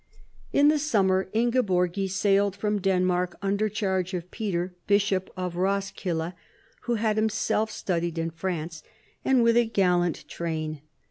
In the summer Ingeborgis sailed from Denmark under charge of Peter, bishop of Eoskilde, who had himself studied in France, and with a gallant train.